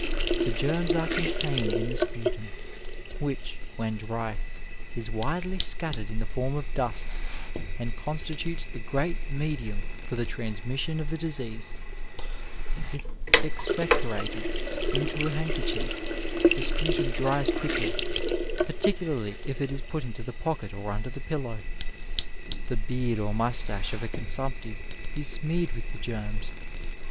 The germs are contained in the sputum, which, when dry, is widely scattered in the form of dust, and constitutes iBr 267 ^ r T Digitized byLjOOQlC MEDICINE IN THE NINETEENTH CENTURY the great mediam for the transinission of the diaease: If expectorated into a handkerchief, the spatnm dries quickly, particularly if it ib put into the pocket or under the pillow. The beard or moustache of a coDsumptive is smeared with the germs.